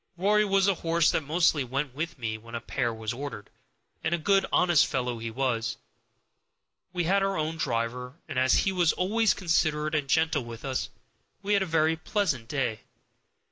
(Rory was the horse that mostly went with me when a pair was ordered, and a good honest fellow he was.) We had our own driver, and as he was always considerate and gentle with us, we had a very pleasant day.